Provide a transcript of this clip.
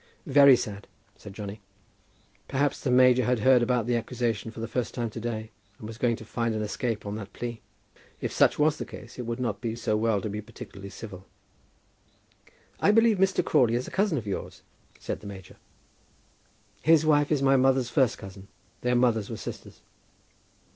"Very sad," said Johnny. Perhaps the major had heard about the accusation for the first time to day, and was going to find an escape on that plea. If such was the case, it would not be so well to be particularly civil. "I believe Mr. Crawley is a cousin of yours?" said the major. "His wife is my mother's first cousin. Their mothers were sisters."